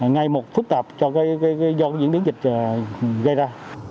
ngay một phức tạp cho diễn biến dịch gây ra